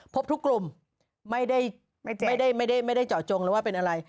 พบทุกกลุ่มไม่ได้เจาะจงเลยว่าเป็นอะไร